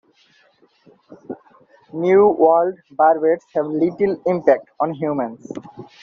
New World barbets have little impact on humans.